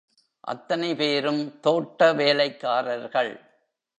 அத்தனை பேரும் தோட்ட வேலைக்காரர்கள்.